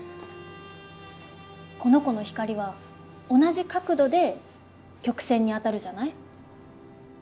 この子の光は同じ角度で曲線に当たるじゃない？